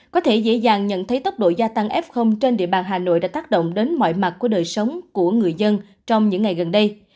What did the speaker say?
có thể dễ dàng nhận thấy tốc độ gia tăng f trên địa bàn hà nội đã tác động đến mọi mặt của đời sống của người dân trong những ngày gần đây